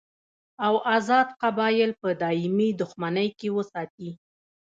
او ازاد قبایل په دایمي دښمنۍ کې وساتي.